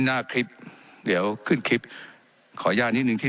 ไม่ได้เป็นประธานคณะกรุงตรี